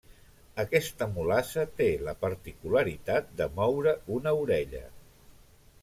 Aquesta mulassa té la particularitat de moure una orella.